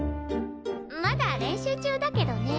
まだ練習中だけどね。